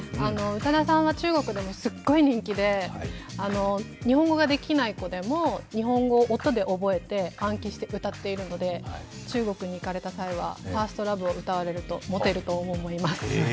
宇多田さんは中国でもすっごい人気で日本語ができない子でも日本語を音で覚えて暗記して歌っているので中国に行かれた際は、「ＦｉｒｓｔＬｏｖｅ」を歌われるとモテると思います。